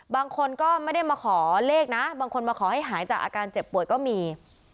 บางคนก็ไม่ได้มาขอเลขนะบางคนมาขอให้หายจากอาการเจ็บป่วยก็มี